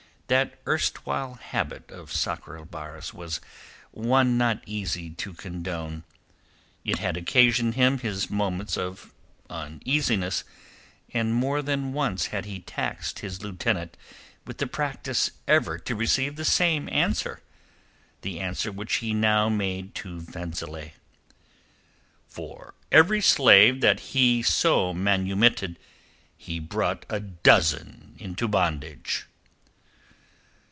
That erstwhile habit of Sakr el Bahr's was one not easy to condone. It had occasioned him his moments of uneasiness, and more than once had he taxed his lieutenant with the practice ever to receive the same answer, the answer which he now made to Fenzileh. "For every slave that he so manumitted, he brought a dozen into bondage."